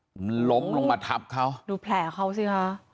ล้มลงลงมาถับเขาดูแผลเขาสิครับ